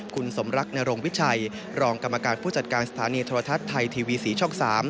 คุณสมรักนรงวิชัยรองกรรมการผู้จัดการสถานีโทรทัศน์ไทยทีวี๔ช่อง๓